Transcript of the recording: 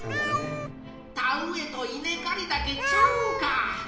田植えと稲かりだけちゃうんか。